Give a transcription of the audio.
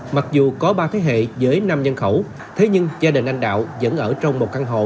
mặc dù có ba thế hệ với năm nhân khẩu thế nhưng gia đình anh đạo vẫn ở trong một căn hộ